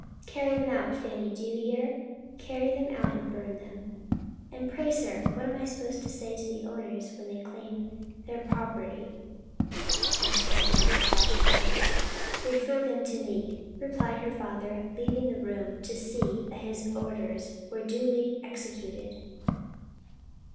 Carry them out, Fanny, do you hear? carry them out and burn them." "And pray, sir, what am I to say to the owners when they claim their property?" asked Enna with flashing eyes. "Refer them to me," replied her father leaving the room to see that his orders were duly executed.